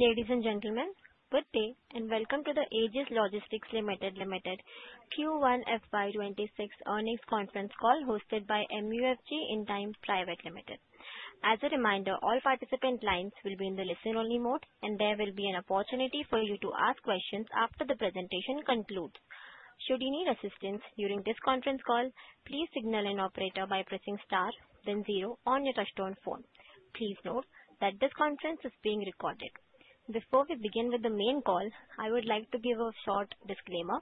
Ladies and gentlemen, good day and welcome to the Aegis Logistics Limited Q1 FY 2026 Earnings Conference Call hosted by MUFG Intime Private Limited. As a reminder, all participant lines will be in the listen-only mode, and there will be an opportunity for you to ask questions after the presentation concludes. Should you need assistance during this conference call, please signal an operator by pressing star, then zero on your touch-tone phone. Please note that this conference is being recorded. Before we begin with the main call, I would like to give a short disclaimer.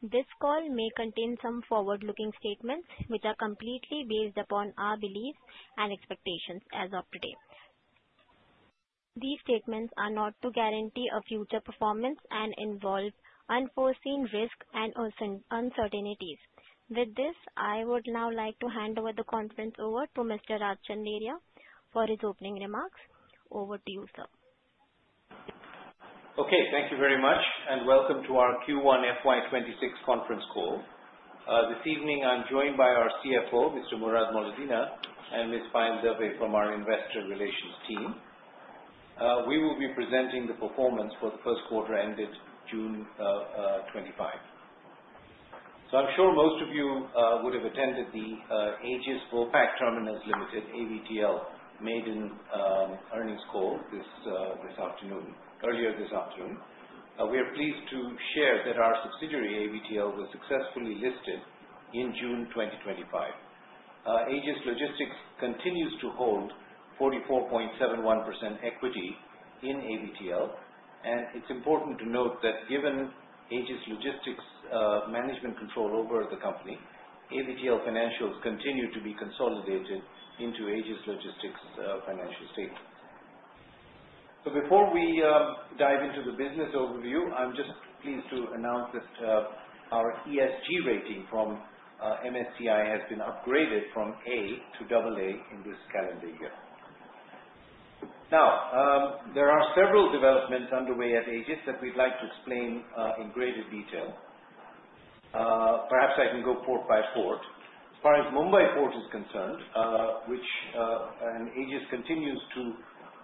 This call may contain some forward-looking statements, which are completely based upon our beliefs and expectations as of today. These statements are not to guarantee a future performance and involve unforeseen risk and uncertainties. With this, I would now like to hand over the conference to Mr. Raj Chandaria for his opening remarks. Over to you, sir. Okay. Thank you very much, and welcome to our Q1 FY 2026 Conference Call. This evening, I'm joined by our CFO, Mr. Murad Moledina, and Ms. Payal Dave from our Investor Relations team. We will be presenting the performance for the first quarter ended June 2025. I'm sure most of you would have attended the Aegis Vopak Terminals Limited, AVTL, earnings call earlier this afternoon. We are pleased to share that our subsidiary, AVTL, was successfully listed in June 2025. Aegis Logistics continues to hold 44.71% equity in AVTL, and it's important to note that given Aegis Logistics' management control over the company, AVTL financials continue to be consolidated into Aegis Logistics' financial statements. Before we dive into the business overview, I'm pleased to announce that our ESG rating from MSCI has been upgraded from A to AA in this calendar year. There are several developments underway at Aegis that we'd like to explain in greater detail. Perhaps I can go port by port. As far as Mumbai Port is concerned, Aegis continues to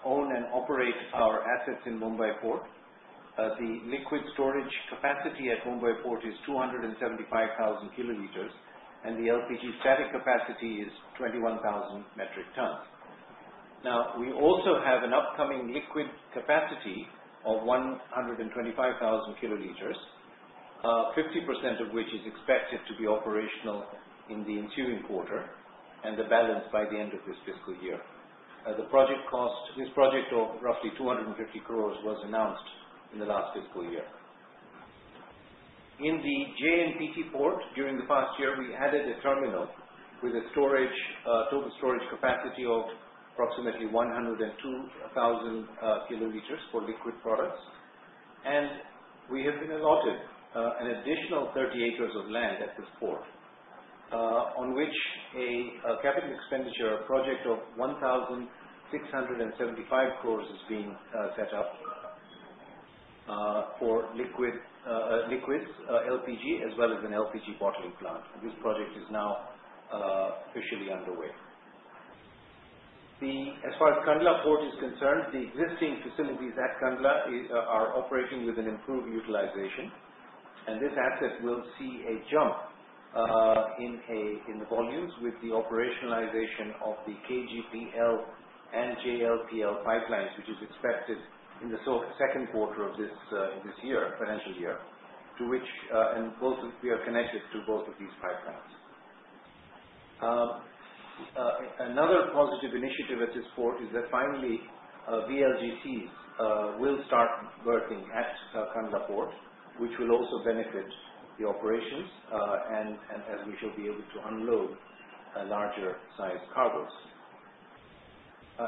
own and operate our assets in Mumbai Port. The liquid storage capacity at Mumbai Port is 275,000 kL, and the LPG static capacity is 21,000 metric tons. We also have an upcoming liquid capacity of 125,000 kL, 50% of which is expected to be operational in the ensuing quarter and the balance by the end of this fiscal year. This project of roughly 250 crores was announced in the last fiscal year. In the JNPT port, during the past year, we added a terminal with a total storage capacity of approximately 102,000 kL for liquid products, and we have been allotted an additional 30 acres of land at this port on which a capital expenditure project of 1,675 crores is being set up for liquids, LPG, as well as an LPG bottling plant. This project is now officially underway. As far as Kandla Port is concerned, the existing facilities at Kandla are operating with improved utilization, and this asset will see a jump in the volumes with the operationalization of the KGPL and JLPL pipelines, which is expected in the second quarter of this financial year, to which we are connected to both of these pipelines. Another positive initiative at this port is that finally, VLGCs will start working at Kandla Port, which will also benefit the operations, as we shall be able to unload larger size cargos.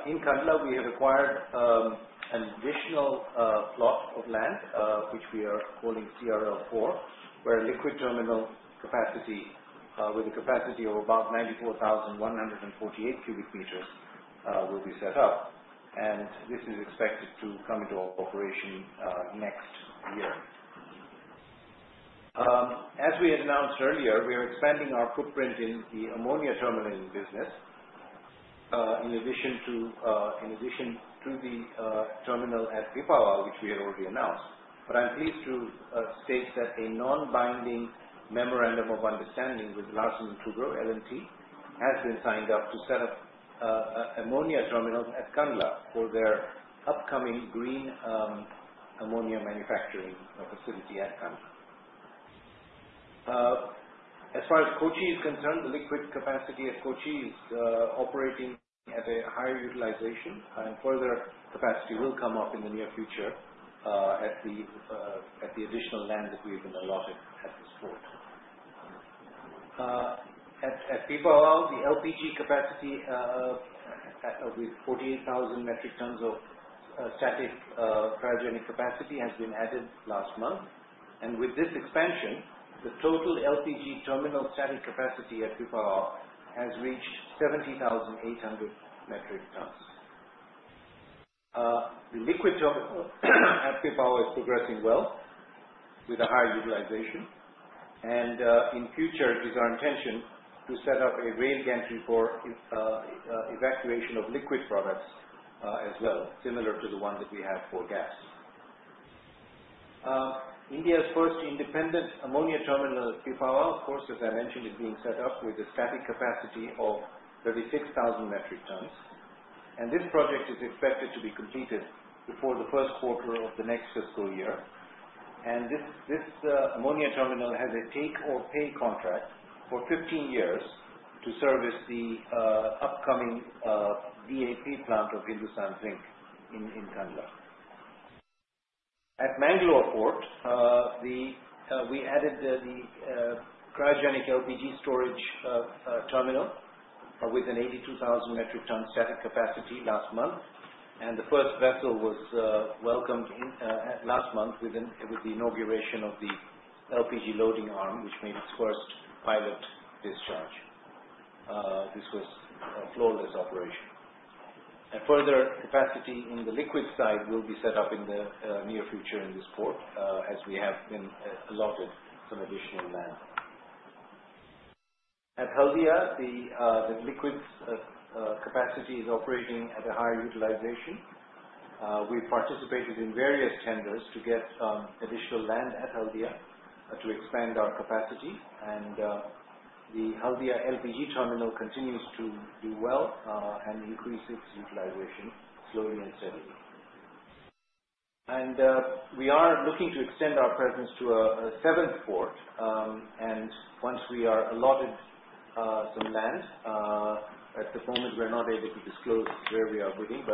In Kandla, we have acquired an additional plot of land, which we are calling CRL-4, where a liquid terminal with a capacity of about 94,148 cu m will be set up. This is expected to come into operation next year. As we had announced earlier, we are expanding our footprint in the ammonia terminal business in addition to the terminal at Pipavav, which we had already announced. I'm pleased to state that a non-binding memorandum of understanding with Larsen & Toubro, L&T has been signed up to set up ammonia terminals at Kandla for their upcoming green ammonia manufacturing facility at Kandla. As far as Kochi is concerned, the liquid capacity at Kochi is operating at a high utilization, and further capacity will come up in the near future at the additional land that we have been allotted at this port. At Pipavav, the LPG capacity with 48,000 metric tons of static cryogenic capacity has been added last month. With this expansion, the total LPG terminal static capacity at Pipavav has reached 70,800 metric tons. The liquid terminal at Pipavav is progressing well with a high utilization. In the future, it is our intention to set up a rail gantry for evacuation of liquid products as well, similar to the ones that we have for gas. India's first independent ammonia terminal at Pipavav, of course, as I mentioned, is being set up with a static capacity of 36,000 metric tons. This project is expected to be completed before the first quarter of the next fiscal year. This ammonia terminal has a take-or-pay contract for 15 years to service the upcoming DAP plant of Hindustan Zinc in Kandla. At Mangalore Port, we added the cryogenic LPG storage terminal with an 82,000 metric ton static capacity last month. The first vessel was welcomed last month with the inauguration of the LPG loading arm, which made its first pilot discharge. This was a flawless operation. Further capacity in the liquid side will be set up in the near future in this port as we have been allotted some additional land. At Haldia, the liquid capacity is operating at a high utilization. We participated in various tenders to get additional land at Haldia to expand our capacity. The Haldia LPG terminal continues to do well and increase its utilization slowly and steadily. We are looking to extend our presence to a seventh port. Once we are allotted some land, at the moment, we're not able to disclose where we are building.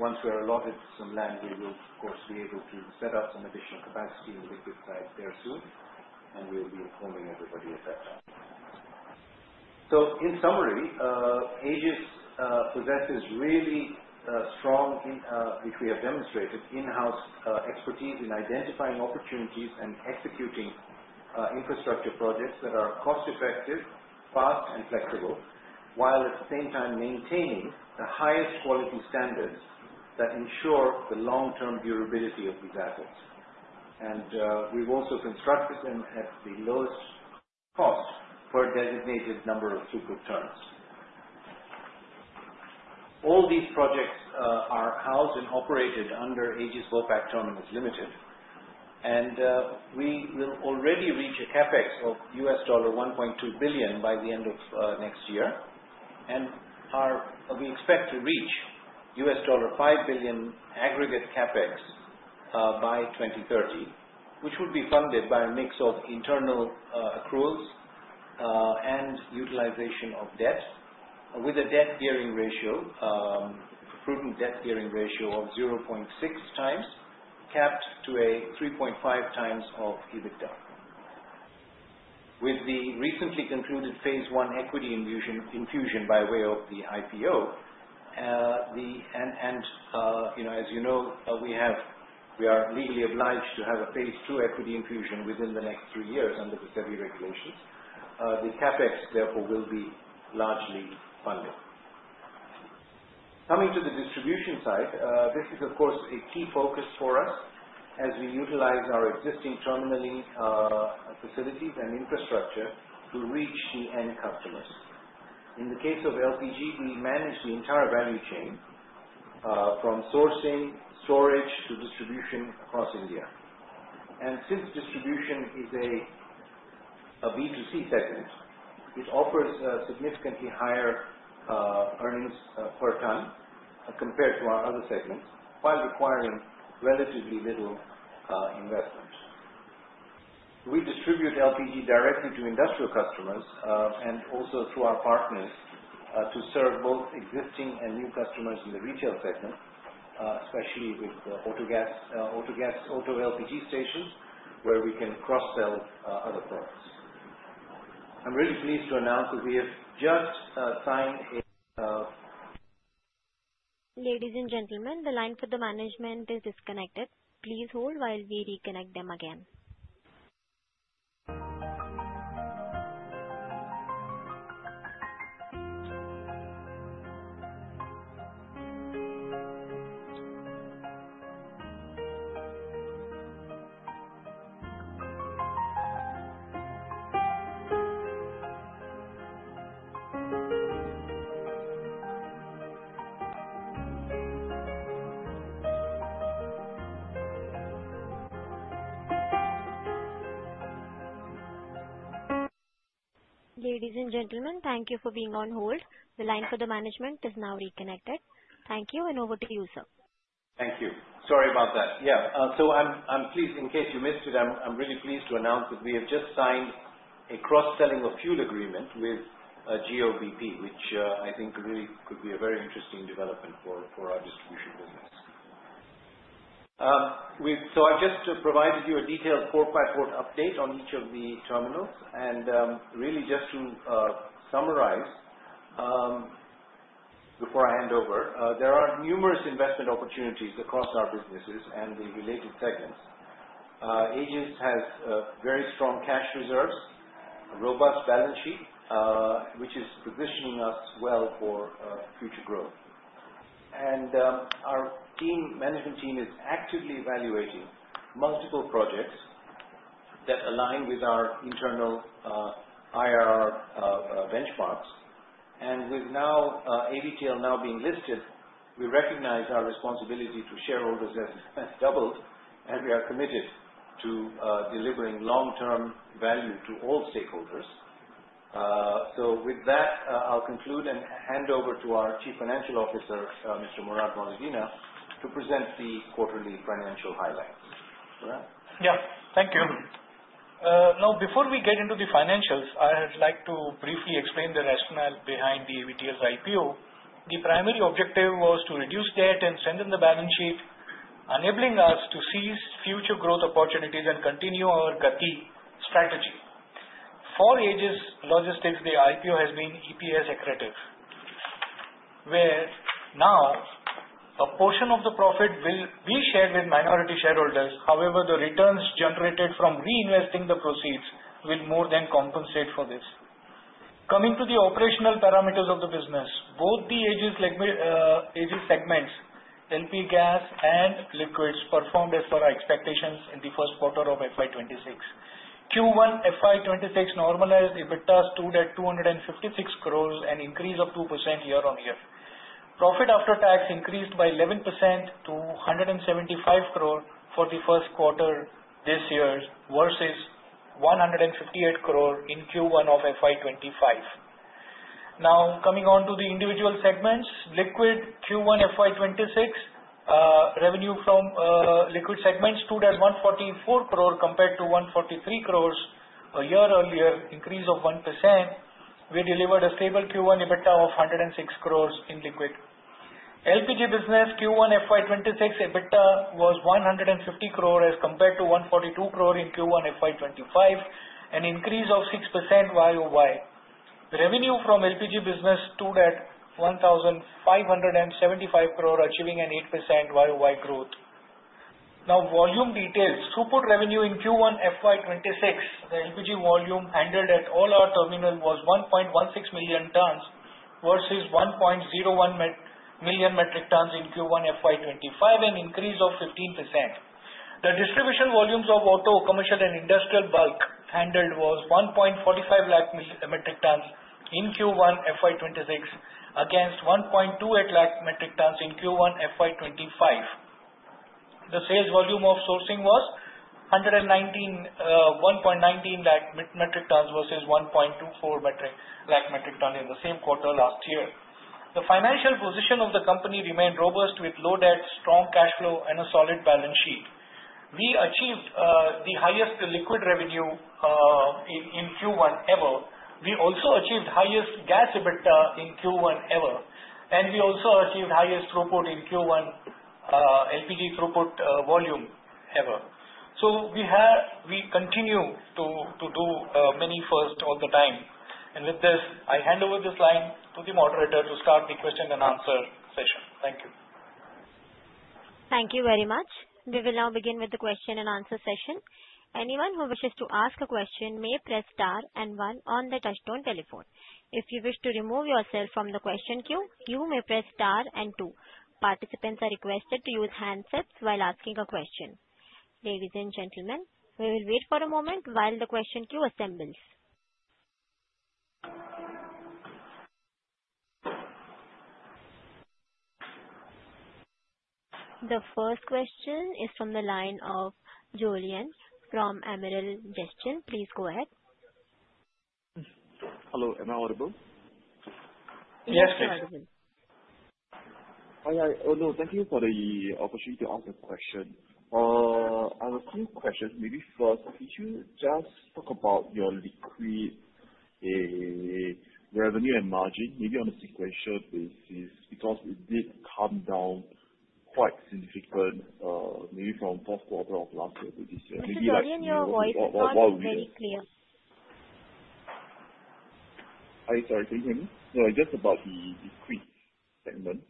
Once we are allotted some land, we will, of course, be able to set up some additional capacity in the liquid side there soon. We'll be informing everybody of that. In summary, Aegis possesses really strong, in which we have demonstrated, in-house expertise in identifying opportunities and executing infrastructure projects that are cost-effective, fast, and flexible, while at the same time maintaining the highest quality standards that ensure the long-term durability of these assets. We've also been structured at the lowest cost for a designated number of frequent turns. All these projects are housed and operated under Aegis Vopak Terminals Limited. We will already reach a CapEx of $1.2 billion by the end of next year. We expect to reach $5 billion aggregate CapEx by 2030, which would be funded by a mix of internal accruals and utilization of debt, with a debt-gearing ratio, a proven debt-gearing ratio of 0.6x capped to 3.5x of EBITDA. With the recently concluded phase I equity infusion by way of the IPO, and as you know, we are legally obliged to have a phase II equity infusion within the next three years under the SEBI regulations. The CapEx, therefore, will be largely funded. Coming to the distribution side, this is, of course, a key focus for us as we utilize our existing terminal facilities and infrastructure to reach the end customers. In the case of LPG, we manage the entire value chain from sourcing, storage, to distribution across India. Since distribution is a B2C segment, it offers a significantly higher earnings per ton compared to our other segments, while requiring relatively little investment. We distribute LPG directly to industrial customers and also to our partners to serve both existing and new customers in the retail segment, especially with auto gas LPG stations where we can cross-sell other products. I'm really pleased to announce that we have just signed a. Ladies and gentlemen, the line for the management is disconnected. Please hold while we reconnect them again. Ladies and gentlemen, thank you for being on hold. The line for the management is now reconnected. Thank you, and over to you, sir. Thank you. Sorry about that. Yeah. I'm pleased in case you missed it. I'm really pleased to announce that we have just signed a cross-selling of fuel agreement with Jio-bp, which I think really could be a very interesting development for our distribution business. I just provided you a detailed port by port update on each of the terminals. Really, just to summarize before I hand over, there are numerous investment opportunities across our businesses and the related segments. Aegis has very strong cash reserves, a robust balance sheet, which is positioning us well for future growth. Our management team is actively evaluating multiple projects that align with our internal IRR benchmarks. With AVTL now being listed, we recognize our responsibility to shareholders has doubled, and we are committed to delivering long-term value to all stakeholders. With that, I'll conclude and hand over to our Chief Financial Officer, Mr. Murad Moledina, to present the quarterly financial highlight. Murad? Yeah. Thank you. Now, before we get into the financials, I'd like to briefly explain the rationale behind the AVTL's IPO. The primary objective was to reduce debt and strengthen the balance sheet, enabling us to seize future growth opportunities and continue our GATI strategy. For Aegis Logistics, the IPO has been EPS accretive, where now a portion of the profit will be shared with minority shareholders. However, the returns generated from reinvesting the proceeds will more than compensate for this. Coming to the operational parameters of the business, both the Aegis segments, LP Gas and liquids, performed as per our expectations in the first quarter of FY 2026. Q1 FY 2026 normalized EBITDA stood at 256 crore, an increase of 2% year on year. Profit after tax increased by 11% to 175 crore for the first quarter this year versus 158 crore in Q1 of FY 2025. Now, coming on to the individual segments, liquid Q1 FY 2026, revenue from liquid segments stood at 144 crore compared to 143 crore a year earlier, an increase of 1%. We delivered a stable Q1 EBITDA of 106 crore in liquid. LPG business Q1 FY 2026 EBITDA was 150 crore as compared to 142 crore in Q1 FY 2025, an increase of 6% YoY. The revenue from LPG business stood at 1,575 crore, achieving an 8% YoY growth. Now, volume details. Support revenue in Q1 FY 2026, the LPG volume handled at all our terminals was 1.16 million tons versus 1.01 million metric tons in Q1 FY 2025, an increase of 15%. The distribution volumes of auto, commercial, and industrial bulk handled was 1.45 lakh metric tons in Q1 FY 2026 against 1.28 lakh metric tons in Q1 FY 2025. The sales volume of sourcing was 1.19 lakh metric tons versus 1.24 lakh metric tons in the same quarter last year. The financial position of the company remained robust with low debt, strong cash flow, and a solid balance sheet. We achieved the highest liquid revenue in Q1 ever. We also achieved the highest gas EBITDA in Q1 ever. We also achieved the highest throughput in Q1, LPG throughput volume ever. We continue to do many firsts all the time. With this, I hand over this line to the moderator to start the question and answer session. Thank you. Thank you very much. We will now begin with the question and answer session. Anyone who wishes to ask a question may press star and one on the touch-tone telephone. If you wish to remove yourself from the question queue, you may press star and two. Participants are requested to use handsets while asking a question. Ladies and gentlemen, we will wait for a moment while the question queue assembles. The first question is from the line of Jolyon from Amiral Gestion. Please go ahead. Hello. Am I audible? Yes, please. Thank you for the opportunity to ask a question. I have a few questions. Maybe first, if you could just talk about your revenue and margin, maybe on a sequential basis because it did come down quite significantly, maybe from the first quarter of last year to this year. Mr. Jolyon, your voice is not very clear. I'm sorry. Can you hear me? No, just about the liquid segment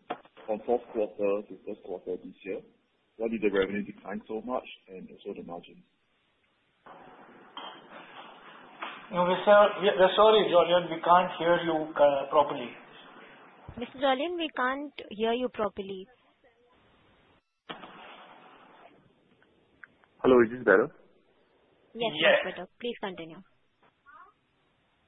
from the first quarter to the first quarter this year, why did the revenue decline so much and also the margins? No, sir, sorry, Jolyon, we can't hear you properly. Mr. Jolyon, we can't hear you properly. Hello. Is this better? Yes, yes, it's better. Please continue.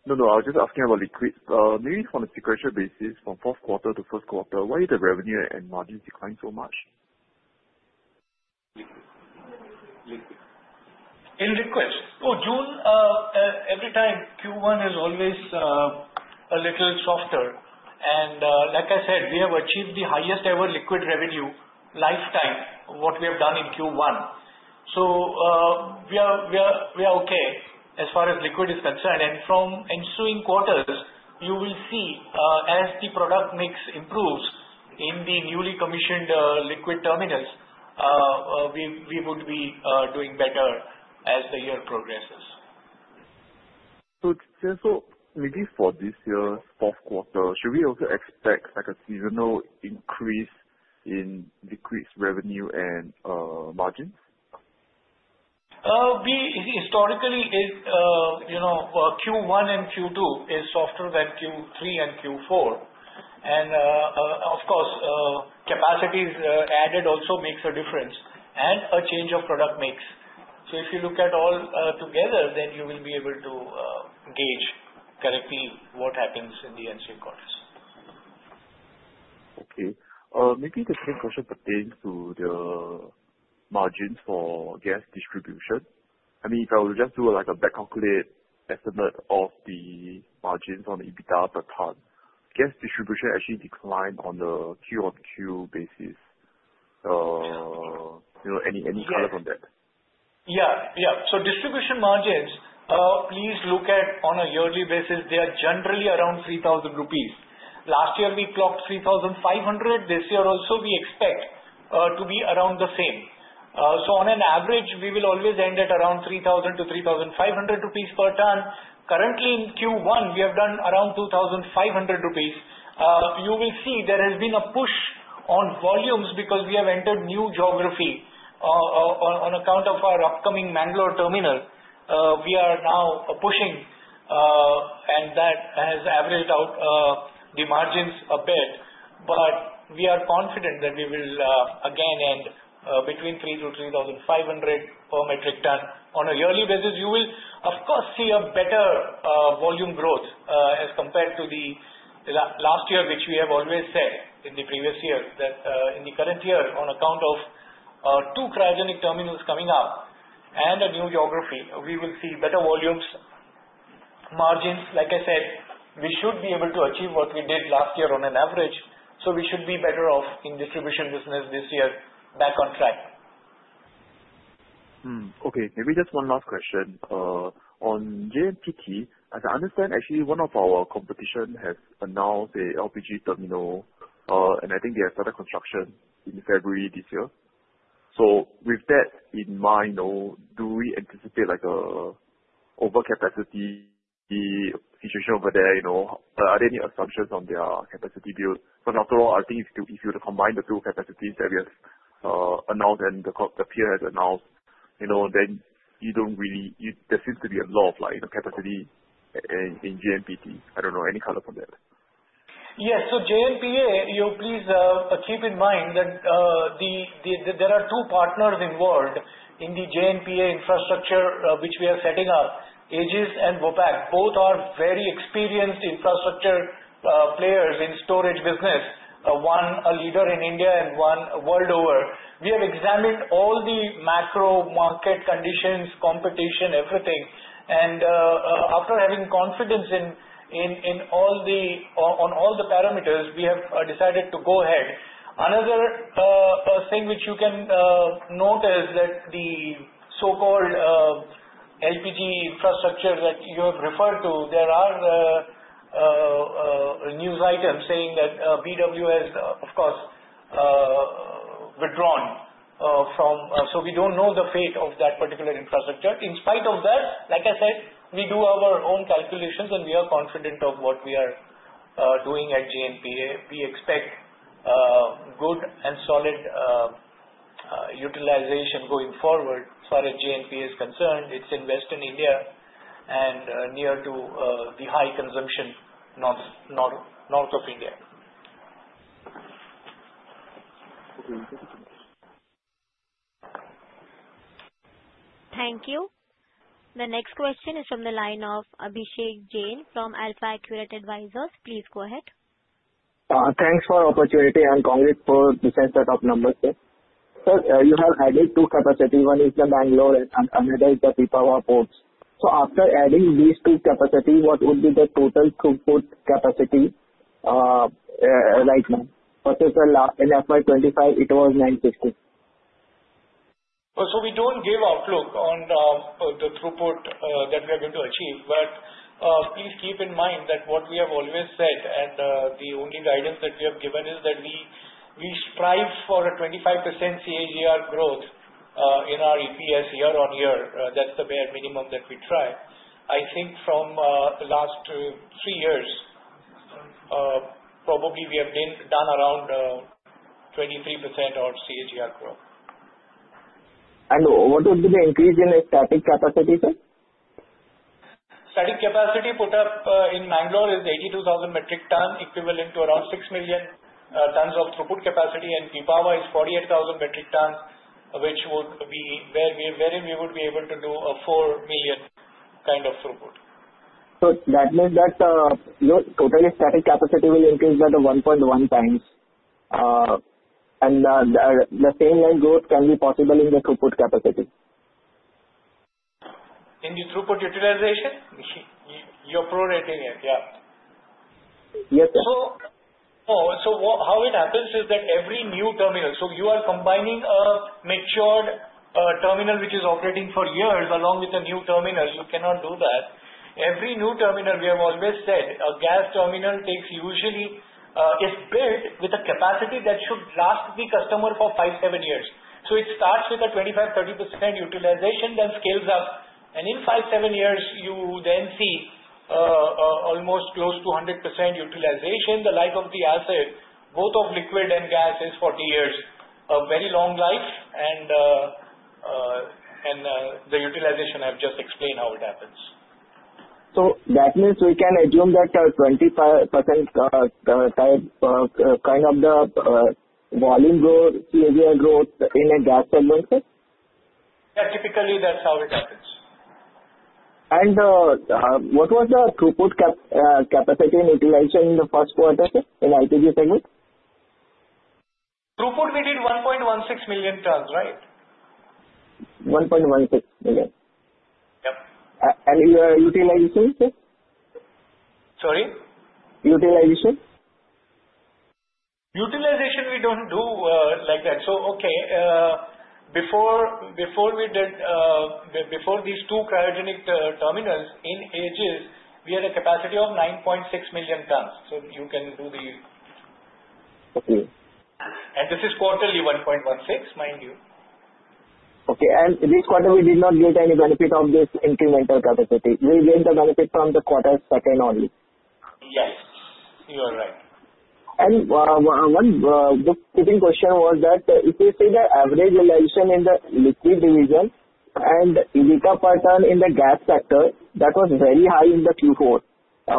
No, no. I was just asking about liquid. Maybe from a sequential basis from the first quarter to the first quarter, why did the revenue and margins decline so much? In liquids, every time, Q1 is always a little softer. Like I said, we have achieved the highest ever liquid revenue lifetime of what we have done in Q1. We are okay as far as liquid is concerned. From ensuing quarters, you will see, as the product mix improves in the newly commissioned liquid terminals, we would be doing better as the year progresses. Sir, for this year's first quarter, should we also expect like a seasonal increase in liquids revenue and margins? Historically, Q1 and Q2 is softer than Q3 and Q4. Capacities added also make a difference and a change of product mix. If you look at all together, then you will be able to gauge correctly what happens in the ends of quarters. Okay. Maybe this question pertains to the margins for gas distribution. I mean, if I would just do like a back-calculated estimate of the margins on EBITDA per ton, gas distribution actually declined on the Q-on-Q basis. You know, any color on that? Yeah. Yeah. So distribution margins, please look at on a yearly basis, they are generally around 3,000 rupees. Last year, we clocked 3,500. This year also, we expect to be around the same. On an average, we will always end at around 3,000 to 3,500 rupees per ton. Currently, in Q1, we have done around 2,500 rupees. You will see there has been a push on volumes because we have entered new geography, on account of our upcoming Mangalore terminal. We are now pushing, and that has averaged out the margins a bit. We are confident that we will again end between 3,000 to 3,500 per metric ton. On a yearly basis, you will, of course, see a better volume growth as compared to last year, which we have always said in the previous year that in the current year, on account of two cryogenic terminals coming up and a new geography, we will see better volumes. Margins, like I said, we should be able to achieve what we did last year on an average. We should be better off in distribution business this year, back on track. Okay. Maybe just one last question. On JNPT, as I understand, actually, one of our competition has announced an LPG terminal, and I think they have started construction in February this year. With that in mind, do we anticipate like an overcapacity situation over there? Are there any assumptions on their capacity? After all, I think it's too easy to combine the two capacities that we have announced and the peer has announced. You know, then there seems to be a lot of capacity in JNPT. I don't know. Any color for that? Yeah. JNPT, please keep in mind that there are two partners involved in the JNPT infrastructure, which we are setting up: Aegis and Vopak. Both are very experienced infrastructure players in the storage business, one a leader in India and one a world over. We have examined all the macro market conditions, competition, everything. After having confidence in all the parameters, we have decided to go ahead. Another thing which you can note is that the so-called LPG infrastructure that you have referred to, there are news items saying that BW has, of course, withdrawn, so we don't know the fate of that particular infrastructure. In spite of that, like I said, we do our own calculations, and we are confident of what we are doing at JNPT. We expect good and solid utilization going forward. As far as JNPT is concerned, it's in Western India and near to the high consumption north of India. Thank you. The next question is from the line of Abhishek Jain from AlfAccurate Advisors. Please go ahead. Thanks for the opportunity and congrats for the sense set of numbers here. Sir, you have added two capacities. One is the Mangalore, and another is the Pipavav ports. After adding these two capacities, what would be the total throughput capacity right now? In FY 2025, it was 960. We don't give outlook on the throughput that we are going to achieve. Please keep in mind that what we have always said, and the only guidance that we have given is that we strive for a 25% CAGR growth in our EPS year on year. That's the bare minimum that we try. I think from the last three years, probably we have done around 23% of CAGR growth. What would be the increase in the static capacity, sir? Static capacity put up in Mangalore is 82,000 metric ton, equivalent to around 6 million tons of throughput capacity. Pipavav is 48,000 metric ton, which would be where we would be able to do a 4 million kind of throughput. The total static capacity will increase by 1.1x, and the same line growth can be possible in the throughput capacity. In the throughput utilization, you're prorating it. Yeah. Yes. Oh, how it happens is that every new terminal, you are combining a matured terminal which is operating for years along with a new terminal. You cannot do that. Every new terminal, we have always said, a gas terminal is built with a capacity that should last the customer for five, seven years. It starts with a 25%, 30% utilization, then scales up. In five, seven years, you then see almost close to 100% utilization. The life of the asset, both of liquid and gas, is 40 years. A very long life. The utilization, I've just explained how it happens. That means we can assume that a 25% kind of the volume growth, CAGR growth in a gas terminal? Yeah, typically that's how it happens. What was your throughput, capacity, and utilization in the first quarter, sir, in the LPG segment? Throughput, we did 1.16 million tons, right? 1.16 million. Yeah. Your utilization, sir? Sorry? Utilization? Utilization, we don't do like that. Okay. Before we did, before these two cryogenic terminals in Aegis, we had a capacity of 9.6 million tons. You can do the. Okay. This is quarterly 1.16, mind you. Okay. This quarter, we did not get any benefit of this incremental capacity. We gained the benefit from the second quarter only. Yes, you are right. Just one quick question was that if you see the average utilization in the liquid division and EBITDA per ton in the gas sector, that was very high in Q4.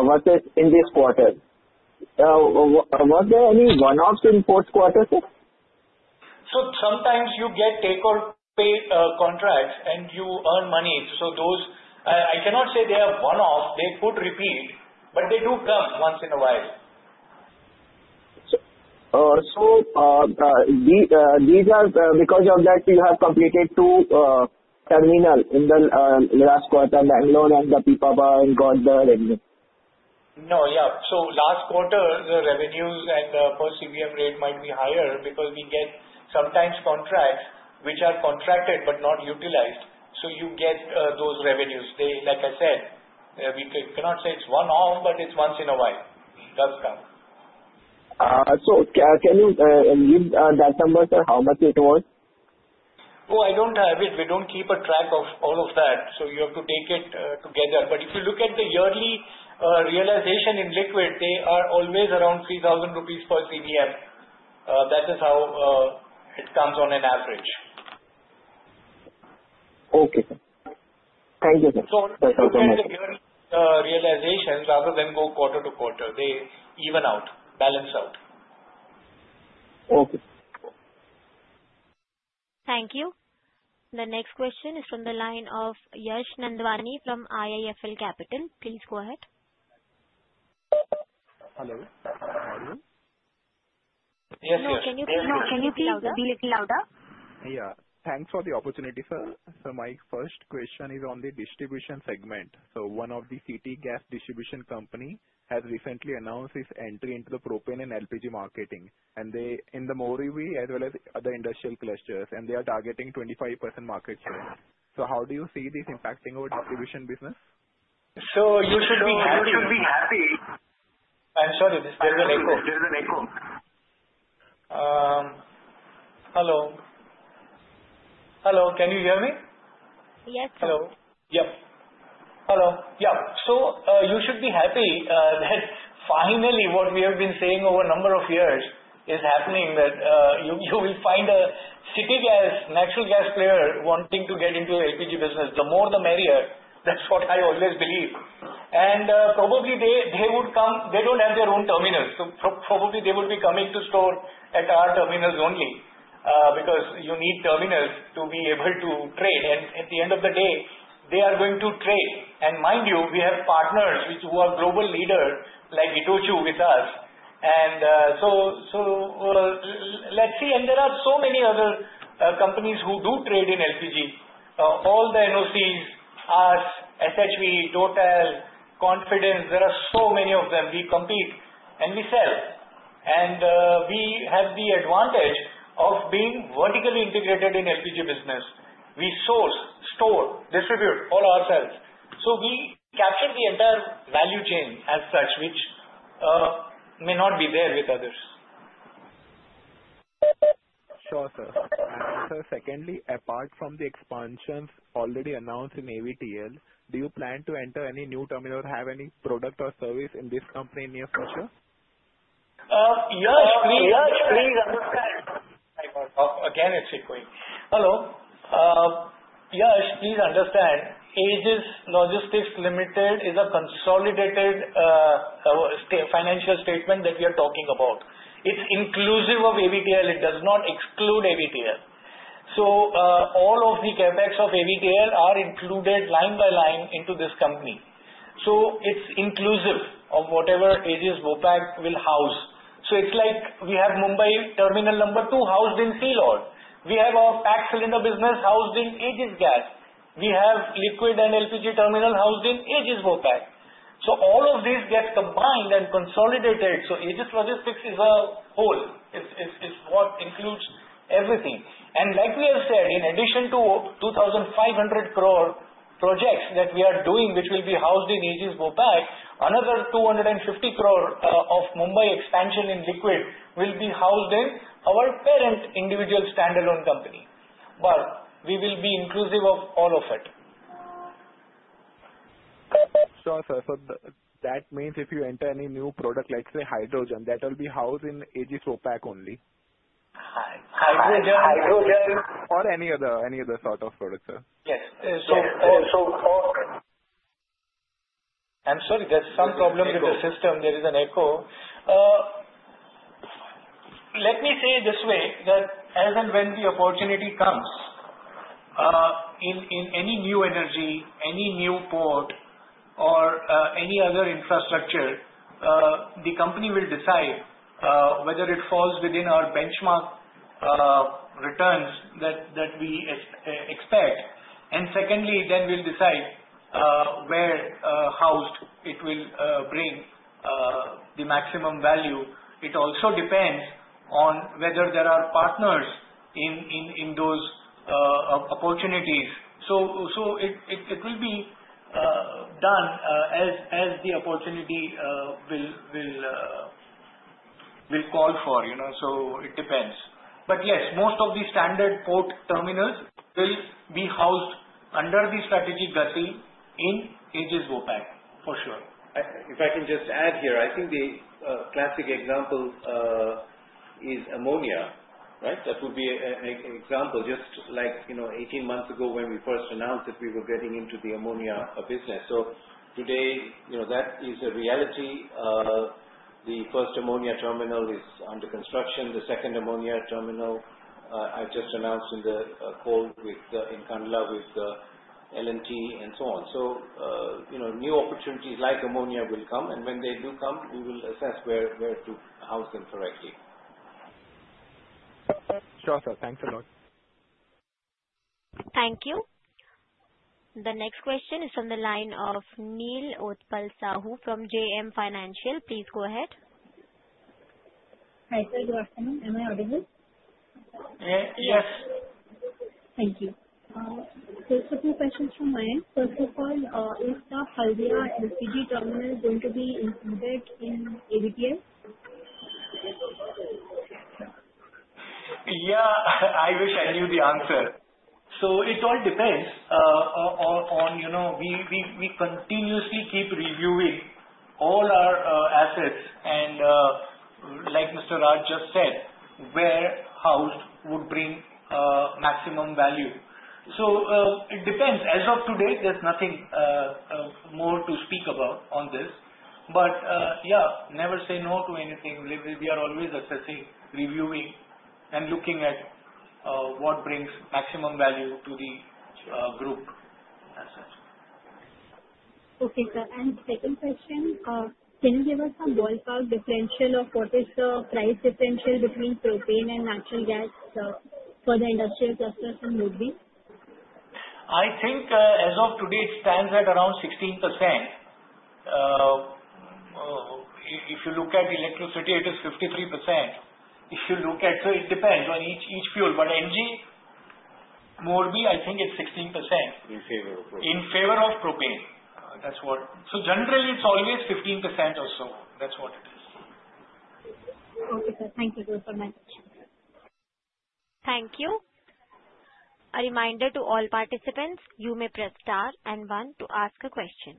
Was it in this quarter? Was there any one-offs in the first quarter, sir? Sometimes you get take-or-pay contracts and you earn money. Those, I cannot say they are one-offs. They could repeat, but they do come once in a while. These are because of that, you have completed two terminals in the last quarter, Mangalore and Pipavav, and got the revenue? Yeah, last quarter, the revenues and the per CBM rate might be higher because we get sometimes contracts which are contracted but not utilized. You get those revenues. Like I said, we cannot say it's one-off, but it's once in a while. It does come. Can you give that number, sir, how much it was? I don't have it. We don't keep a track of all of that. You have to take it together. If you look at the yearly realization in liquid, they are always around 3,000 rupees per CBM. That is how it comes on an average. Okay, thank you. On average, they're doing realization rather than go quarter to quarter. They even out, balance out. Okay. Thank you. The next question is from the line of Yash Nandwani from IIFL Capital. Please go ahead. Can you please be a little louder? Yeah. Thanks for the opportunity, sir. Sir, my first question is on the distribution segment. One of the city gas distribution companies has recently announced its entry into the propane and LPG marketing. They are in the Morbi as well as other industrial clusters, and they are targeting 25% market share. How do you see this impacting our distribution business? You should know. Do we have a—I'm sorry. This is an echo. Hello. Hello. Can you hear me? Yes, sir. Hello. Yeah. Hello. Yeah. You should be happy that finally what we have been saying over a number of years is happening, that you will find a city gas, natural gas player wanting to get into the LPG business. The more, the merrier. That's what I always believe. Probably they would come. They don't have their own terminals. Probably they would be coming to store at our terminals only because you need terminals to be able to trade. At the end of the day, they are going to trade. Mind you, we have partners who are global leaders like ITOCHU with us. Let's see. There are so many other companies who do trade in LPG. All the NOCs, us, SHV, Total, Confidence, there are so many of them. We compete and we sell. We have the advantage of being vertically integrated in LPG business. We source, store, distribute all ourselves. We capture the entire value chain as such, which may not be there with others. Sure, sir. Sir, secondly, apart from the expansions already announced in AVTL, do you plan to enter any new terminal or have any product or service in this company in the near future? Yash, please. Yash, please understand. Again, it's echoing. Hello. Yash, please understand. Aegis Logistics Limited is a consolidated financial statement that we are talking about. It's inclusive of AVTL. It does not exclude AVTL. All of the CapEx of AVTL are included line by line into this company. It's inclusive of whatever Aegis Vopak will house. For example, we have Mumbai Terminal Number 2 housed in Sea Lord. We have our packed cylinder business housed in Aegis Gas. We have liquid and LPG terminal housed in Aegis Vopak. All of this gets combined and consolidated. Aegis Logistics is a whole. It's what includes everything. Like we have said, in addition to 2,500 crore projects that we are doing, which will be housed in Aegis Vopak, another 250 crore of Mumbai expansion in liquid will be housed in our parent individual standalone company. We will be inclusive of all of it. Sir, that means if you enter any new product, let's say hydrogen, that will be housed in Aegis Vopak only? Or any other sort of product, sir? Yes. I'm sorry, there's some problem with the system. There is an echo. Let me say it this way: as and when the opportunity comes in any new energy, any new port, or any other infrastructure, the company will decide whether it falls within our benchmark returns that we expect. Secondly, we'll decide where it will bring the maximum value. It also depends on whether there are partners in those opportunities. It will be done as the opportunity will call for. You know, it depends. Yes, most of the standard port terminals will be housed under the strategic GATI in Aegis Vopak, for sure. If I can just add here, I think the classic example is ammonia, right? That would be an example, just like, you know, 18 months ago when we first announced that we were getting into the ammonia business. Today, you know, that is a reality. The first ammonia terminal is under construction. The second ammonia terminal, I just announced in the call in Kandla with Larsen & Toubro and so on. New opportunities like ammonia will come, and when they do come, we will assess where to house them correctly. Sure, sir. Thanks a lot. Thank you. The next question is from the line of Neelotpal Sahu from JM Financial. Please go ahead. Hi, good afternoon. Am I audible? Yes. Thank you. Just a few questions from my end. First of all, is the Haldia LPG terminal going to be included in AVTL? Yeah. I wish I knew the answer. It all depends on, you know, we continuously keep reviewing all our assets. Like Mr. Raj just said, where housed would bring maximum value. It depends. As of today, there's nothing more to speak about on this. Yeah, never say no to anything. We are always assessing, reviewing, and looking at what brings maximum value to the group assets. Okay, sir. The second question, can you give us some ballpark differential of what is the price differential between propane and natural gas for the industrial clusters in Morbi? I think as of today, it stands at around 16%. If you look at electricity, it is 53%. It depends on each fuel. For LG, Morbi, I think it's 16% in favor of propane. That's what. Generally, it's always 15% or so. That's what it is. Okay, sir. Thank you both so much. Thank you. A reminder to all participants, you may press star and one to ask a question.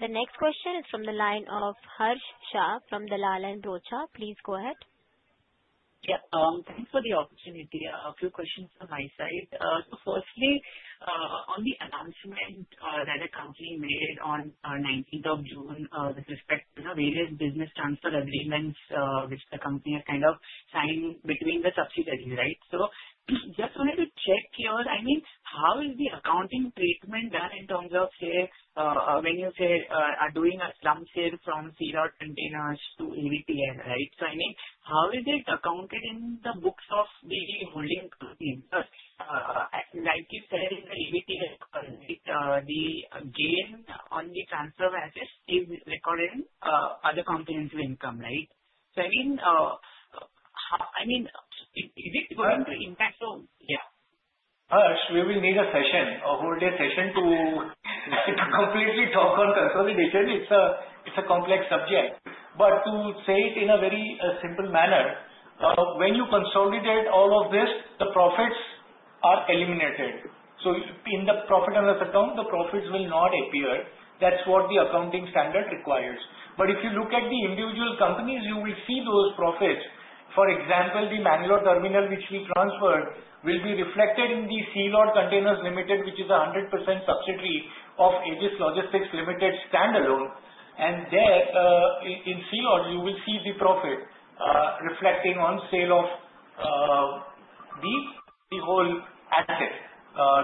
The next question is from the line of Harssh Shah from Dalal & Broacha. Please go ahead. Yeah. Thanks for the opportunity. A few questions from my side. Firstly, on the announcement that the company made on 19th of June with respect to the various business transfer agreements which the company has kind of signed between the subsidiaries, right? I just wanted to check here, I mean, how is the accounting treatment done in terms of shares when your shares are doing a slump share from Sea Lord containers to AVTL, right? I mean, how is it accounted in the books of the holding team? Like you said, in AVTL, the gain on the transfer of assets is recorded in other comprehensive income, right? I mean, is it going to impact? Harsh, we will need a session, a whole day session to sit and completely talk on consolidation. It's a complex subject. To say it in a very simple manner, when you consolidate all of this, the profits are eliminated. In the profit and loss account, the profits will not appear. That's what the accounting standard requires. If you look at the individual companies, you will see those profits. For example, the Mangalore terminal which we transferred will be reflected in the Sea Lord Containers Limited, which is a 100% subsidiary of Aegis Logistics Limited standalone. There, in Sea Lord, you will see the profit, reflecting on sale of the whole asset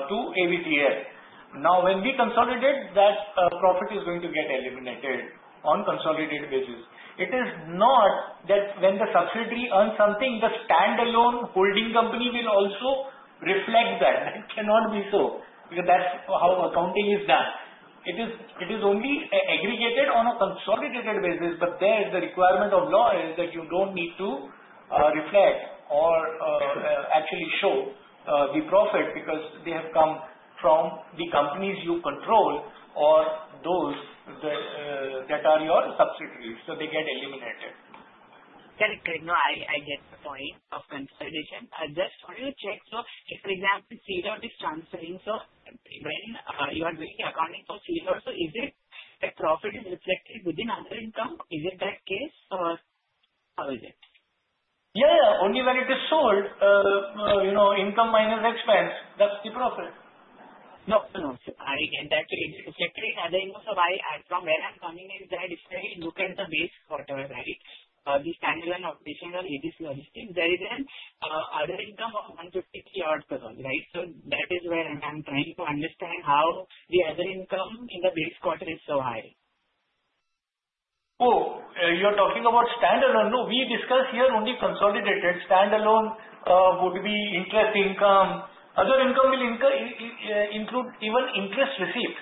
to AVTL. When we consolidate, that profit is going to get eliminated on consolidated wages. It is not that when the subsidiary earns something, the standalone holding company will also reflect that. That cannot be so, because that's how accounting is done. It is only aggregated on a consolidated basis, but there is the requirement of law that you don't need to reflect or actually show the profit because they have come from the companies you control or those that are your subsidiaries. They get eliminated. Correct. No, I get the point of consolidation. I just want to check. For example, Sea Lord is transferring. When you are doing accounting for Sea Lord, is the profit reflected within other income? Is it that case, or how is it? Yeah, yeah. Only when it is sold, you know, income minus expense, that's the profit. No, no. That is reflected in other income. I add from where I'm coming is that if I look at the base quarter, the standalone operation of Aegis Logistics, there is an other income of [153] odd crore, right? That is where I'm trying to understand how the other income in the base quarter is so high. Oh, you're talking about standalone. No, we discuss here only consolidated. Standalone would be interest income. Other income will include even interest received.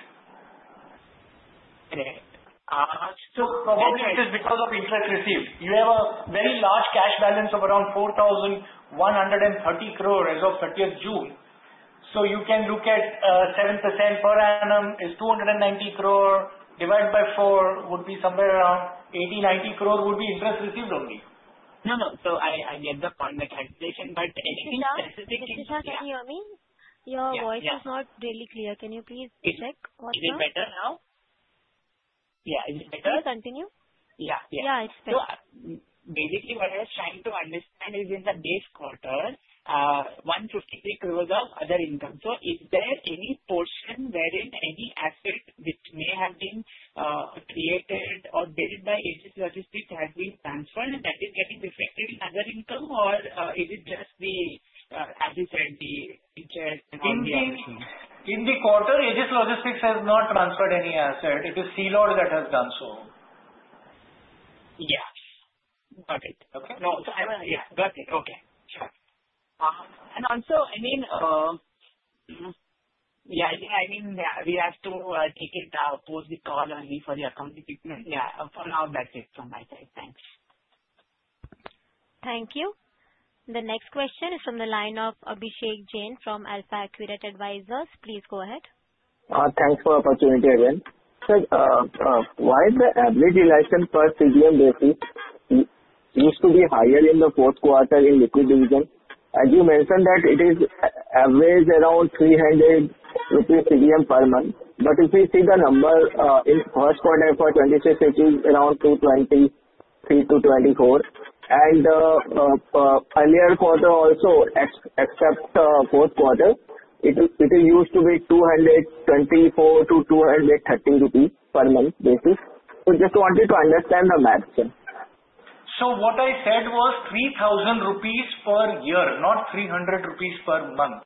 It is probably because of interest received. You have a very large cash balance of around 4,130 crore as of 3oth of June. You can look at 7% per annum, which is 290 crore. Divided by 4, it would be somewhere around 80 crore, 90 crore, which would be interest received only. I get the point of the translation. Can you hear me? Your voice is not really clear. Can you please check? Is it better now? Yeah, is it better? Can you continue? Yeah, yeah. Yeah, it's better. Basically, what I was trying to understand is in the base quarter, 153 crore of other income. Is there any portion wherein any assets which may have been created or built by Aegis Logistics Limited have been transferred and that is getting reflected in other income, or is it just the adversary interest? In the quarter, Aegis Logistics Limited has not transferred any asset. It is Sea Lord that has done so. Yes, got it. Okay. I don't know. Yeah, got it. Okay, sure. I mean, we have to take it post the call only for the accounting. For now, that's it from my side. Thanks. Thank you. The next question is from the line of Abhishek Jain from AlfAccurate Advisors. Please go ahead. Thanks for the opportunity again. Sir, why is the average license per CBM basis used to be higher in the fourth quarter in liquid division? As you mentioned, that it is averaged around 300 rupees CBM per month. If we see the number in the first quarter for 2026, which is around 223 crore- 224 crore, and the earlier quarter also, except fourth quarter, it is used to be 224 crore-230 crore rupees per month basis. I just wanted to understand the math, sir. What I said was 3,000 rupees per year, not 300 rupees per month.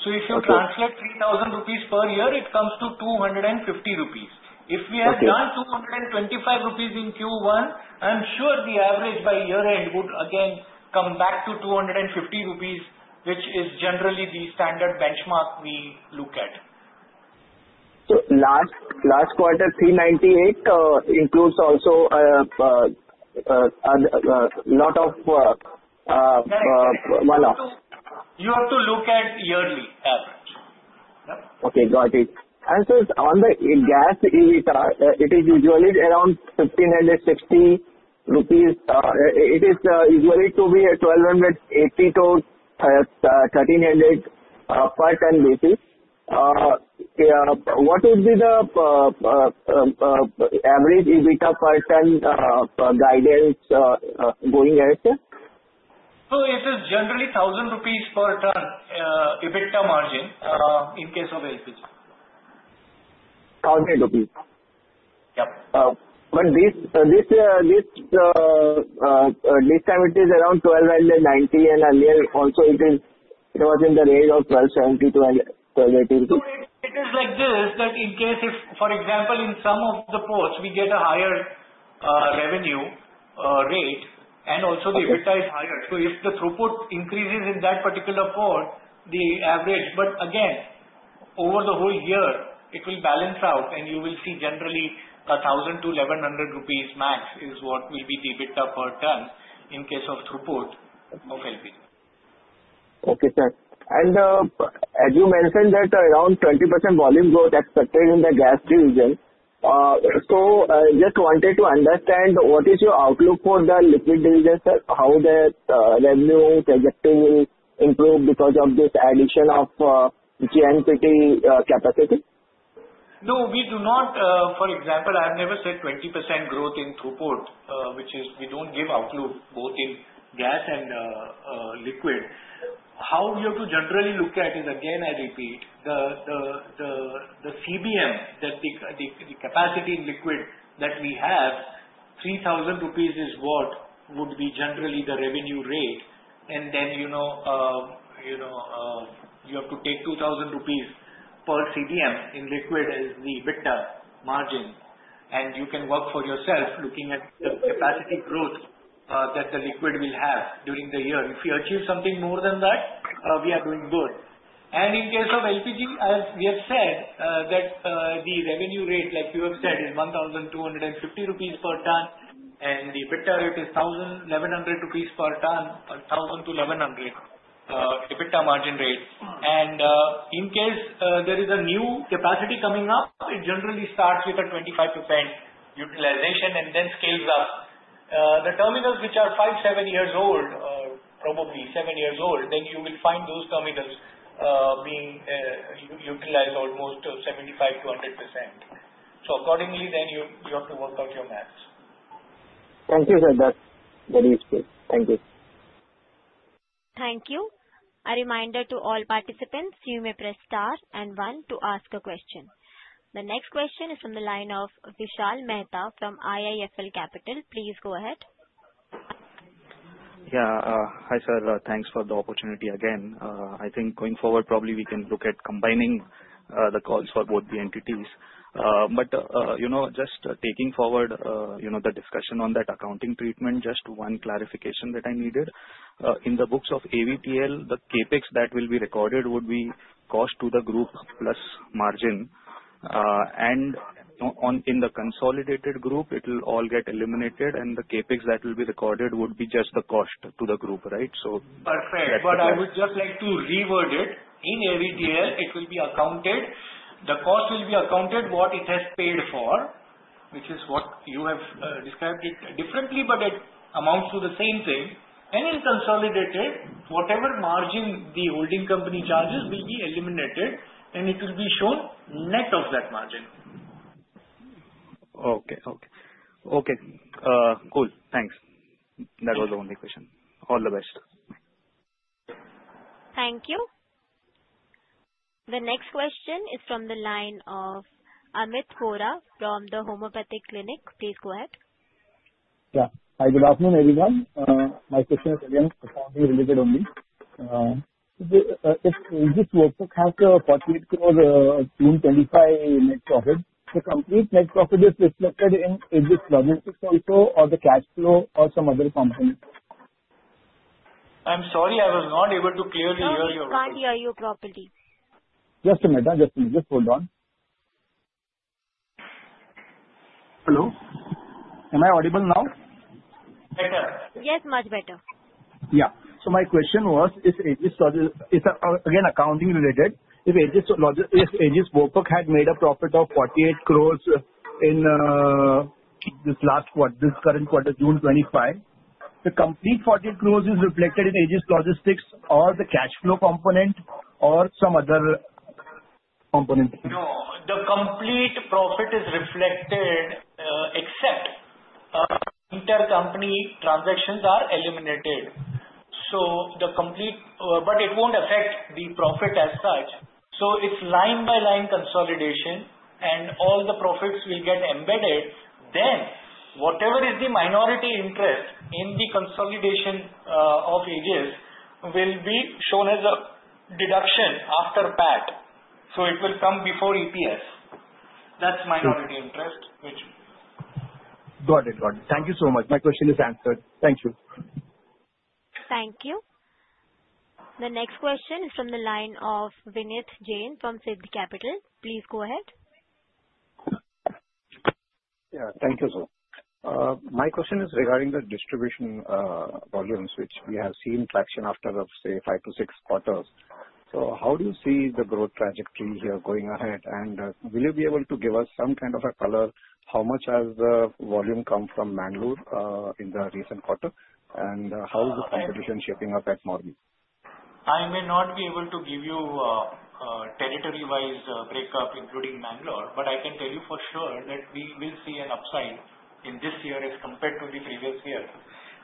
If you translate 3,000 rupees per year, it comes to 250 rupees. If we had done 225 rupees in Q1, I'm sure the average by year-end would again come back to 250 rupees, which is generally the standard benchmark we look at. Last quarter, [398 crore] includes also a lot of. You have to look at yearly average. Okay. Got it. It's on the gas, it is usually around 1,560 rupees. It is usually 1,280-1,300 per ton basis. What is the average EBITDA per ton guidance going ahead? It is generally 1,000 rupees per ton EBITDA margin in case of Aegis. 1,000 rupees. Yeah. This time it is around INR 1,290, and earlier also it was in the range of INR 1,270-INR 1,280. It is like this, that in case if, for example, in some of the ports, we get a higher revenue rate, and also the EBITDA is higher. If the throughput increases in that particular port, the average, but again, over the whole year, it will balance out, and you will see generally 1,000-1,100 rupees max is what may be the EBITDA per ton in case of throughput of Aegis. Okay, sir. As you mentioned, around 20% volume growth is expected in the gas division. I just wanted to understand what is your outlook for the liquid division, sir? How is the revenue projecting to improve because of this addition of JNPT capacity? No, we do not. For example, I have never said 20% growth in throughput, which is we don't give outlook both in gas and liquid. How we have to generally look at it is, again, I repeat, the CBM, the capacity in liquid that we have, 3,000 rupees is what would be generally the revenue rate. You have to take 2,000 rupees per CBM in liquid as the EBITDA margin. You can work for yourself looking at the capacity growth that the liquid will have during the year. If you achieve something more than that, we are doing good. In case of LPG, as we have said, the revenue rate, like you have said, is 1,250 rupees per ton, and the EBITDA rate is 1,100 rupees per ton, 1,000-1,100 EBITDA margin rate. In case there is a new capacity coming up, it generally starts with a 25% utilization and then scales up. The terminals which are five, seven years old, or probably seven years old, you would find those terminals being utilized almost 75%-100%. Accordingly, you have to work out your maths. Thank you, sir. That is clear. Thank you. Thank you. A reminder to all participants, you may press star and one to ask a question. The next question is from the line of Vishal Mehta from IIFL Capital. Please go ahead. Yeah. Hi, sir. Thanks for the opportunity again. I think going forward, probably we can look at combining the calls for both the entities. You know, just taking forward the discussion on that accounting treatment, just one clarification that I needed. In the books of AVTL, the CapEx that will be recorded would be cost to the group plus margin. In the consolidated group, it will all get eliminated, and the CapEx that will be recorded would be just the cost to the group, right? Perfect. I would just like to reword it. In AVTL, it will be accounted. The cost will be accounted what it has paid for, which is what you have described differently, but it amounts to the same thing. In consolidated, whatever margin the holding company charges will be eliminated, and it will be shown net of that margin. Okay. Okay. Okay. Cool. Thanks. That was the only question. All the best. Thank you. The next question is from the line of Amit Vora from The Homeopathic Clinic. Please go ahead. Yeah. Hi, good afternoon, everyone. My question is again for the related only. Is this work to have the portfolio for June 2025 net profit? The complete net profit is reflected in Aegis Logistics or the cash flow or some other component? I'm sorry. I was not able to clearly hear you. We can't hear you properly. Just a minute. Just a minute. Hold on. Hello? Am I audible now? Better. Yes, much better. Yeah, my question was if Aegis Vopak had made a profit of 48 crore in this last quarter, this current quarter, June 2025, is the complete 48 crore reflected in Aegis Logistics or the cash flow component or some other component? You know. The complete profit is reflected, except intercompany transactions are eliminated. The complete, but it won't affect the profit as such. It is line by line consolidation, and all the profits will get embedded. Whatever is the minority interest in the consolidation of Aegis will be shown as a deduction after PAT. It will come before EPS. That's minority interest, which. Got it. Got it. Thank you so much. My question is answered. Thank you. Thank you. The next question is from the line of Vinith Jain from Siddh Capital. Please go ahead. Thank you, sir. My question is regarding the distribution volumes, which we have seen fraction after, say, five to six quarters. How do you see the growth trajectory here going ahead? Will you be able to give us some kind of a color? How much has the volume come from Mangalore in the recent quarter? How is the higher position shaping up at Morbi? I may not be able to give you a territory-wise breakup, including Mangalore, but I can tell you for sure that we will see an upside in this year as compared to the previous year.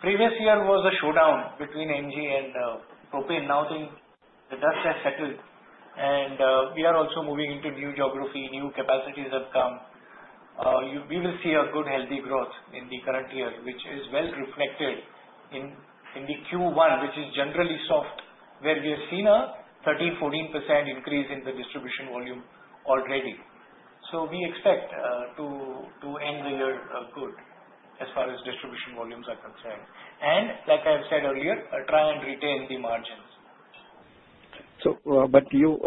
Previous year was a showdown between NG and propane. Now the dust has settled, and we are also moving into new geography. New capacities have come. We will see a good, healthy growth in the current year, which is well reflected in the Q1, which is generally soft, where we have seen a 13%-14% increase in the distribution volume already. We expect to end the year good as far as distribution volumes are concerned, and like I have said earlier, try and retain the margins. You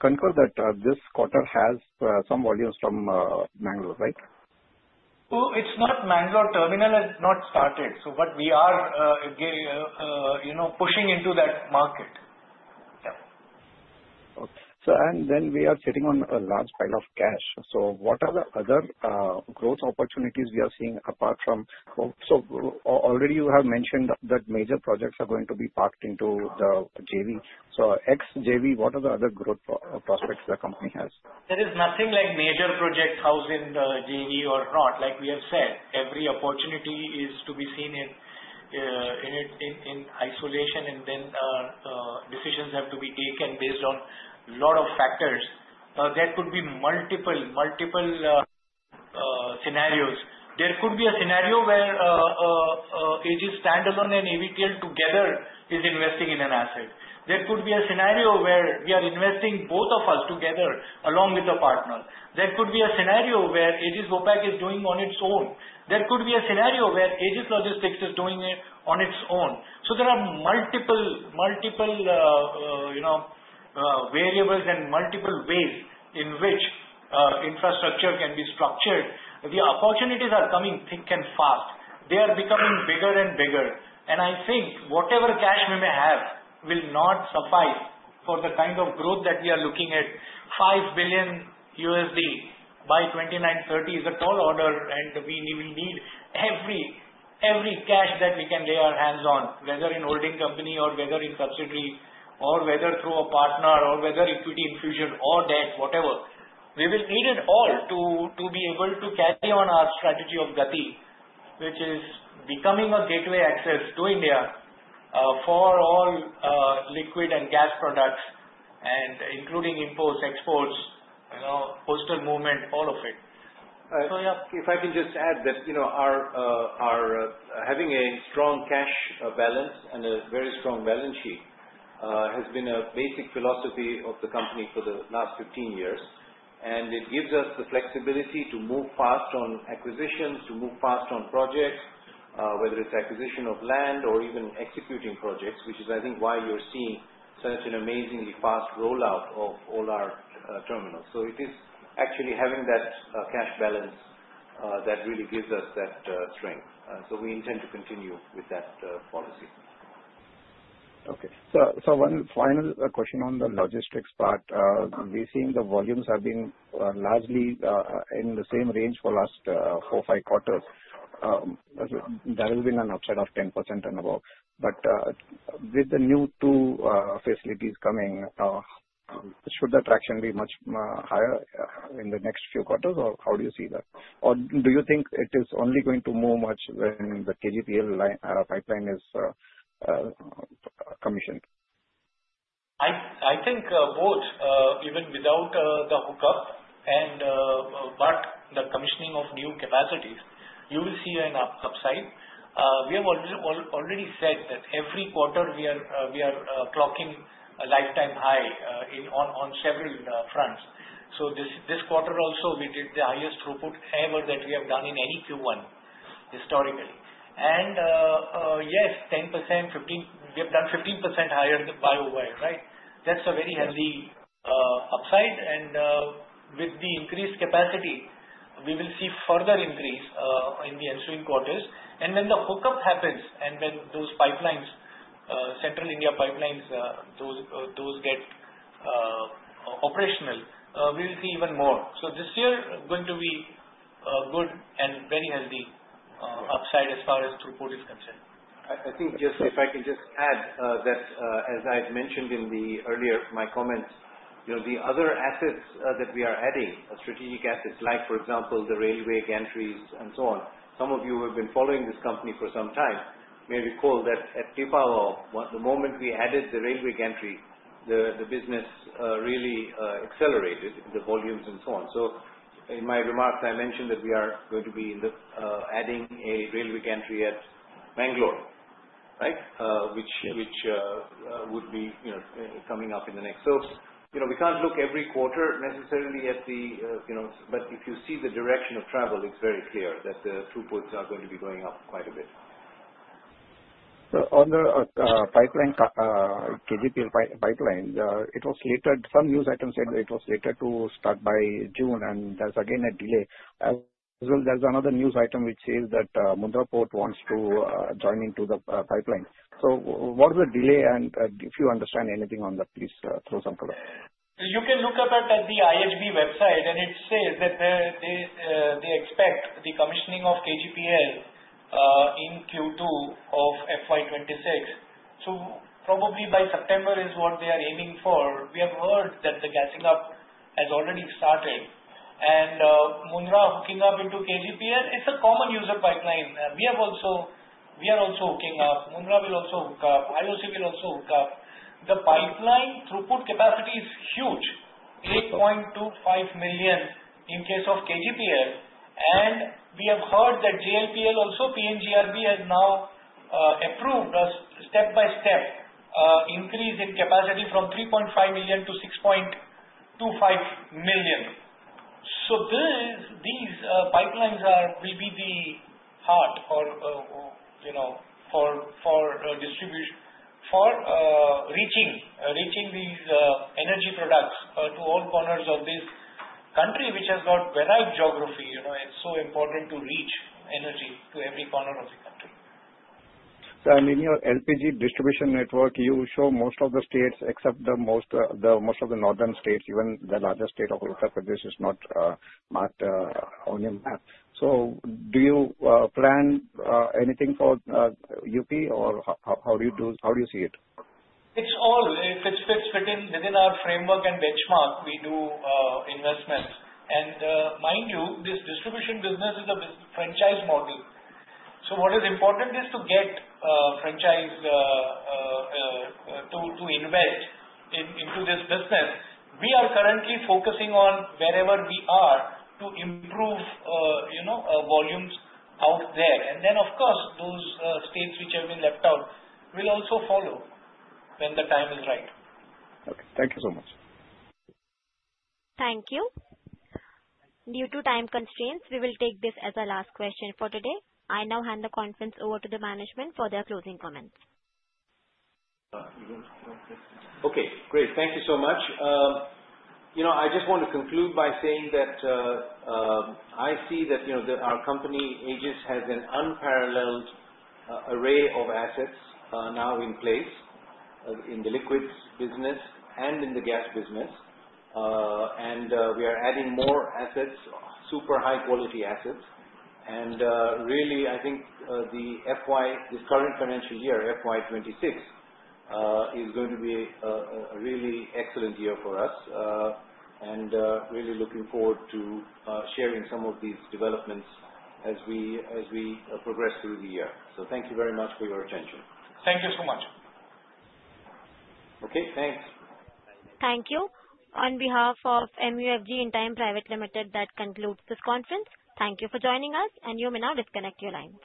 concur that this quarter has some volumes from Mangalore, right? Oh, it's not Mangalore. Terminal has not started. What we are, again, you know, pushing into that market. Okay. We are sitting on a large pile of cash. What are the other growth opportunities we are seeing apart from home? You have mentioned that major projects are going to be parked into the JV. Ex-JV, what are the other growth prospects the company has? There is nothing like major projects housed in the JV or not. Like we have said, every opportunity is to be seen in isolation, and then decisions have to be taken based on a lot of factors. There could be multiple, multiple scenarios. There could be a scenario where Aegis Standalone and AVTL together are investing in an asset. There could be a scenario where we are investing both of us together along with a partner. There could be a scenario where Aegis Vopak is doing on its own. There could be a scenario where Aegis Logistics is doing it on its own. There are multiple, multiple variables and multiple ways in which our infrastructure can be structured. The opportunities are coming thick and fast. They are becoming bigger and bigger. I think whatever cash we may have will not suffice for the kind of growth that we are looking at. $5 billion by 2030 is a tall order, and we will need every cash that we can lay our hands on, whether in holding company or whether in subsidiary or whether through a partner or whether equity infusion or debt, whatever. We will need it all to be able to carry on our strategy of GATI, which is becoming a gateway access to India for all liquid and gas products, including imports, exports, postal movement, all of it. If I can just add that, you know, our having a strong cash balance and a very strong balance sheet has been a basic philosophy of the company for the last 15 years. It gives us the flexibility to move fast on acquisitions, to move fast on projects, whether it's acquisition of land or even executing projects, which is, I think, why we are seeing such an amazingly fast rollout of all our terminals. It is actually having that cash balance that really gives us that strength. We intend to continue with that policy. Okay. One final question on the logistics part. We're seeing the volumes have been largely in the same range for the last four or five quarters. There has been an upside of 10% and above. With the new two facilities coming, should the traction be much higher in the next few quarters, or how do you see that? Do you think it is only going to move much when the KGPL pipeline is commissioned? I think both, even without the hookup and the commissioning of new capacities, you will see an upside. We have already said that every quarter we are clocking a lifetime high on several fronts. This quarter also, which is the highest throughput ever that we have done in any Q1 historically. Yes, 10%, we have done 15% higher YoY, right? That's a very healthy upside. With the increased capacity, we will see further increase in the ensuing quarters. When the hookup happens and those pipelines, Central India pipelines, get operational, we will see even more. This year is going to be a good and very healthy upside as far as throughput is concerned. I think if I can just add this, as I've mentioned in my earlier comments, the other assets that we are adding, strategic assets like, for example, the railway gantries and so on. Some of you have been following this company for some time. Maybe recall that at Pipavav, the moment we added the railway gantry, the business really accelerated, the volumes and so on. In my remark, I mentioned that we are going to be adding a railway gantry at Mangalore, right, which would be coming up in the next. We can't look every quarter necessarily at the, you know, but if you see the direction of travel, it's very clear that the throughputs are going to be going up quite a bit. On the KGPL pipeline, it was some news item said that it was slated to start by June, and there's again a delay. Also, there's another news item which says that Mundra Port wants to join into the pipeline. What's the delay? If you understand anything on that, please throw some color. You can look at that at the IHB website, and it says that they expect the commissioning of KGPL in Q2 of FY 2026. Probably by September is what they are aiming for. We have heard that the gassing up has already started. Mudra hooking up into KGPL is a common user pipeline. We are also hooking up. Mudra will also hook up. IOC will also hook up. The pipeline throughput capacity is huge, 8.25 million in case of KGPL. We have heard that JLPL also, PNGRB has now approved a step-by-step increase in capacity from 3.5 million to 6.25 million. These pipelines will be the heart for reaching these energy products to all corners of this country, which has got a varied geography. It's so important to reach energy to every corner of the country. In your LPG distribution network, you show most of the states, except most of the northern states. Even the largest state of Uttar Pradesh is not on your map. Do you plan anything for UP or how do you see it? It fits within our framework and benchmark. We do investments. Mind you, this distribution business is a franchise model. What is important is to get franchise to invest into this business. We are currently focusing on wherever we are to improve, you know, volumes out there. Of course, those states which have been left out will also follow when the time is right. Okay, thank you so much. Thank you. Due to time constraints, we will take this as a last question for today. I now hand the conference over to the management for their closing comments. Great. Thank you so much. I just want to conclude by saying that I see that our company, Aegis, has an unparalleled array of assets now in place in the liquids business and in the gas business. We are adding more assets, super high-quality assets. I think the current financial year, FY 2026, is going to be a really excellent year for us. I am really looking forward to sharing some of these developments as we progress through the year. Thank you very much for your attention. Thank you so much. Okay. Thanks. Thank you. On behalf of MUFG Intime Private Limited, that concludes this conference. Thank you for joining us, and you may now disconnect your lines.